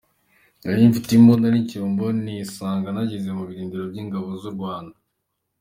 "Nari mfite imbunda n’icyombo nisanga nageze mu birindiro by’ingabo z’u Rwanda.